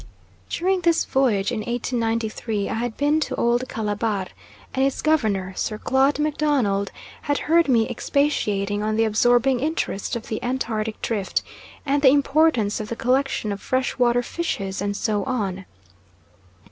During this voyage in 1893, I had been to Old Calabar, and its Governor, Sir Claude MacDonald, had heard me expatiating on the absorbing interest of the Antarctic drift, and the importance of the collection of fresh water fishes and so on.